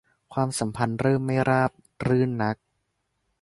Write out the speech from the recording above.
ความสัมพันธ์เริ่มไม่ราบรื่นนัก